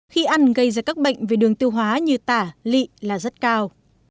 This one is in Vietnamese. khi ăn gây ra các bệnh về đường tiêu hóa như tả lị là rất cao